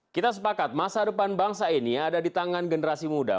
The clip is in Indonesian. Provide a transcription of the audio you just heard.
kita sepakat masa depan bangsa ini ada di tangan generasi muda